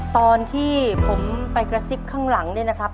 ตอนที่ผมไปกระซิบข้างหลังเนี่ยนะครับ